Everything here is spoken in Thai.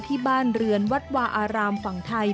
ที่บ้านเรือนวัดวาอารามฝั่งไทย